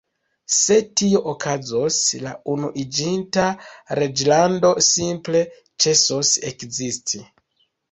Se tio okazos, la Unuiĝinta Reĝlando simple ĉesos ekzisti.